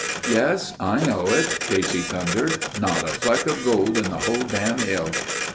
"Yes, I know it," Casey thundered. "Not a fleck of gold in the whole dam' hill."